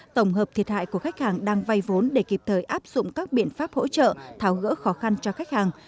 tổng hợp thiệt hại của khách hàng đang vay vốn để kịp thời áp dụng các biện pháp hỗ trợ tháo gỡ khó khăn cho khách hàng